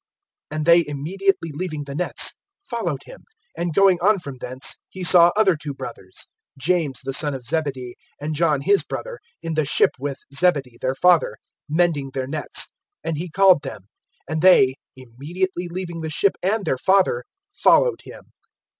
(20)And they, immediately leaving the nets, followed him. (21)And going on from thence, he saw other two brothers, James the son of Zebedee, and John his brother, in the ship with Zebedee their father, mending their nets; and he called them. (22)And they, immediately leaving the ship and their father, followed him.